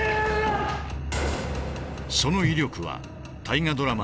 その威力は大河ドラマ